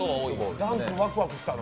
ダンクワクワクしたな。